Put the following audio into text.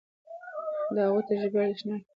د هغوی تجربې ارزښتناکه دي.